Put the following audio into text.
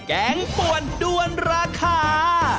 แกงป่วนด้วนราคา